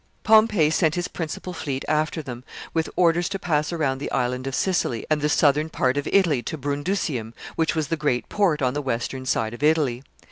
Pompey sent his principal fleet after them, with orders to pass around the island of Sicily and the south era part of Italy to Brundusium, which was the great port on the western side of Italy.